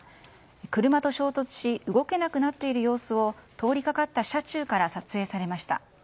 車と衝突し動けなくなっている様子を通りかかった車中から撮影されました。